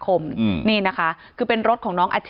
ที่มีข่าวเรื่องน้องหายตัว